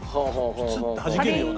プツッて弾けるような。